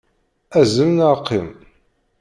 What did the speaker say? Azzel neɣ qqim!